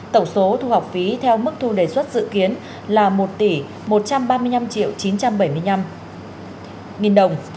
tổng số thu học phí theo mức thu đề xuất dự kiến là một tỷ một trăm ba mươi năm chín trăm bảy mươi năm nghìn đồng